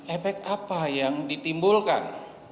efek apa yang ditimbulkan